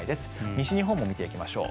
西日本も見ていきましょう。